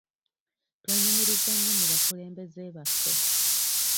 Twenyumiriza nnyo mu bakulembeze baffe.